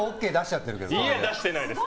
出してないです。